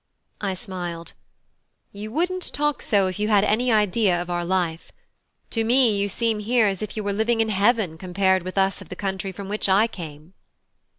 I smiled. "You wouldn't talk so if you had any idea of our life. To me you seem here as if you were living in heaven compared with us of the country from which I came."